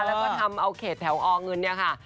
แล้วก็ทำเอาเขตแถวอเงินเนี่ยค่ะ